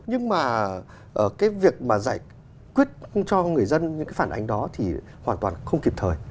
nhưng mà cái việc mà giải quyết cho người dân những cái phản ánh đó thì hoàn toàn không kịp thời